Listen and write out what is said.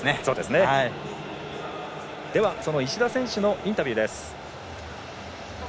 では、その石田選手のインタビューです。